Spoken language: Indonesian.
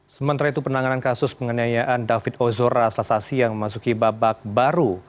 sementara itu penanganan kasus penganiayaan david ozora selasa siang memasuki babak baru